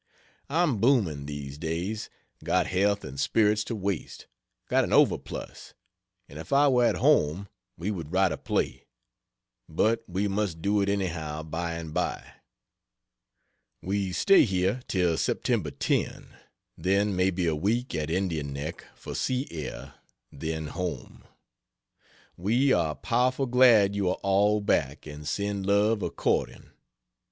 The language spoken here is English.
I'm booming, these days got health and spirits to waste got an overplus; and if I were at home, we would write a play. But we must do it anyhow by and by. We stay here till Sep. 10; then maybe a week at Indian Neck for sea air, then home. We are powerful glad you are all back; and send love according.